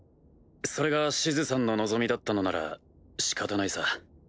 それがシズさんの望みだったのなら仕方ないさ。